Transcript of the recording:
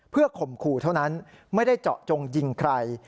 เพื่อข่มขู่เท่านั้นไม่ได้เจาะจงยิงใคร